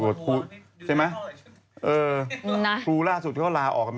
รวดครูใช่ไหม